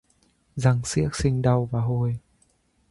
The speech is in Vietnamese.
Răng xiếc sinh đau và hôi